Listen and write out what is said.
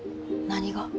何が？